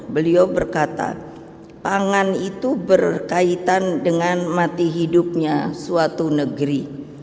beliau berkata pangan itu berkaitan dengan mati hidupnya suatu negeri